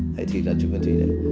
thế thì là trịnh nguyên thủy đấy